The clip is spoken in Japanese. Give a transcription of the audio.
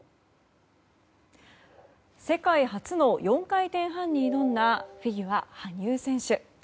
世界初の４回転半に挑んだフィギュア、羽生選手。